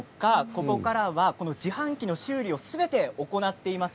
ここからは自販機の修理をすべて行っています。